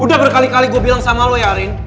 udah berkali kali gue bilang sama lo ya arin